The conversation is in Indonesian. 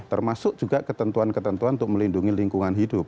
termasuk juga ketentuan ketentuan untuk melindungi lingkungan hidup